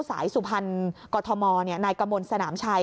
สุพรรณกรทมนายกมลสนามชัย